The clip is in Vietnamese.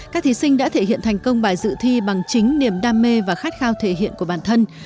các thí sinh đã thể hiện thành công bài dự thi bằng chính niềm đam mê và khát khao thể hiện của bản thân